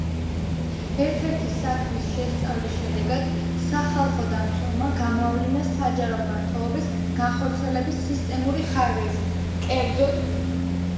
ერთ-ერთი საქმის შესწავლის შედეგად, სახალხო დამცველმა გამოავლინა საჯარო მმართველობის განხორციელების სისტემური ხარვეზი. კერძოდ,